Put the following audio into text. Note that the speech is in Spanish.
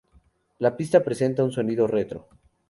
La pista presenta un sonido retro.